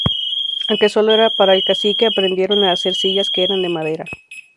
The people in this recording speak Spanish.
Aunque sólo era para el cacique aprendieron a hacer sillas, que eran de madera.